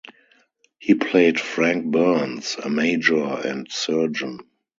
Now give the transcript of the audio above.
He played Frank Burns, a major and surgeon.